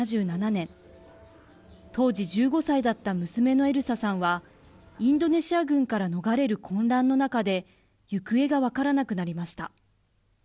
１９７７年当時１５歳だった娘のエルサさんはインドネシア軍から逃れる混乱の中で行方が分からなくなりました。